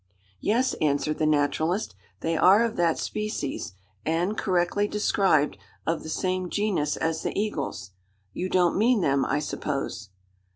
"Yes," answered the naturalist, "they are of that species; and, correctly described, of the same genus as the eagles. You don't mean them, I suppose?"